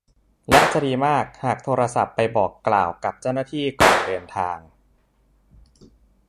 และจะดีมากหากโทรศัพท์ไปบอกกล่าวกับเจ้าหน้าที่ก่อนเดินทาง